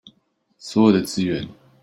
所有的資源